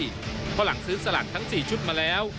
เพราะหลังซื้อสลากทั้ง๔ชุดมาแล้ว